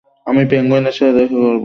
আমি পেঙ্গুইনের সাথে দেখা করব।